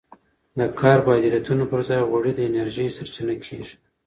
د کاربوهایډریټونو پر ځای غوړي د انرژي سرچینه کېږي.